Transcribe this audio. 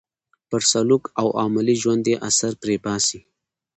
پر سلوک او عملي ژوند یې اثر پرې باسي.